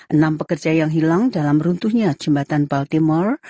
enam pekerja yang hilang dalam runtuhnya jembatan paltimor